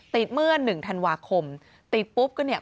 เมื่อหนึ่งธันวาคมติดปุ๊บก็เนี่ย